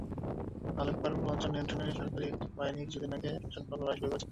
আলেপ্পোর পূর্বাঞ্চল নিয়ন্ত্রণে নিতে সরকারি বাহিনী কিছুদিন আগে প্রচণ্ড লড়াই শুরু করেছে।